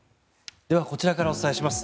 ではこちらからお伝えします。